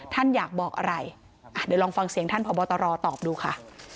ท่านอยากบอกอะไรอ่ะเดี๋ยวลองฟังเสียงท่านพบตรตอบดูค่ะ